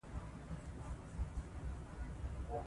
دزړه زخم پټ وساتئ! ځکه دا خلک دېر مالګین دي.